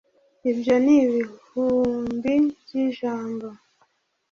ibyo ni ibihumbi by’ijambo